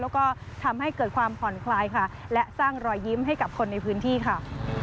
แล้วก็ทำให้เกิดความผ่อนคลายค่ะและสร้างรอยยิ้มให้กับคนในพื้นที่ค่ะ